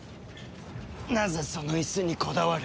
なぜその椅子にこだわる？